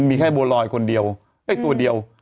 มันมีแค่โบรอยคนเดียวเอ้ยตัวเดียว